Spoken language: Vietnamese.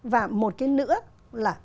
và một cái nữa là